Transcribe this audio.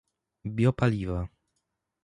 Biopaliwa